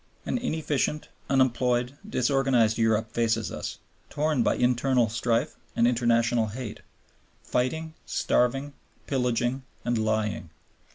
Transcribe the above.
An inefficient, unemployed, disorganized Europe faces us, torn by internal strife and international hate, fighting, starving, pillaging, and lying.